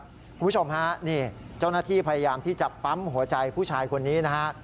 คุณผู้ชมฮะนี่เจ้าหน้าที่พยายามที่จะปั๊มหัวใจผู้ชายคนนี้นะฮะ